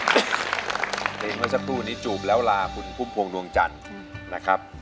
เพลงวันสัปดาห์นี้จูบแล้วลาคุณภุมภวงดวงจันทร์นะครับ